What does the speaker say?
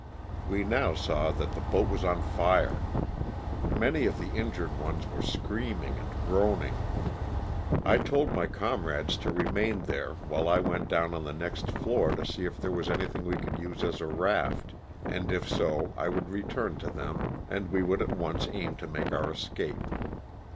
We now saw that the boat was on fire. Many of the injured ones were screaming and groaning. I 170 l.OSS OF THK sri. TANA. told my comrndes to romain thoro, while 1 wont down on tlio next tloor to seo if thoro was iinytliing wo could use Jis H raft, and if so I would return to them and wo would at once aim to make our escape.